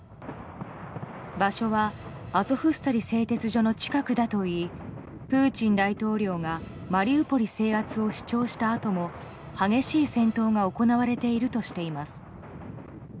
場所はアゾフスタリ製鉄所の近くだといいプーチン大統領がマリウポリ制圧を主張したあとも激しい戦闘が行われているとしています。